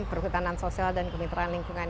perhutanan sosial dan kemitraan lingkungan